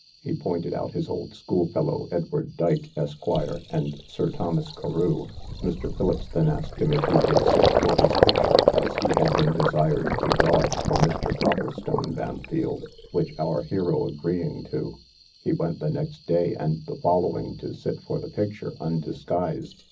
He pointed out his old school fellow, Edward Dyke, Esq., and Sir Thomas Carew. Mr. Philips then asked him if he would sit for his picture, as he had been desired to draw it for Mr. Copplestone Bampfylde; which our hero agreeing to, he went the next day, and the following, to sit for the picture, undisguised.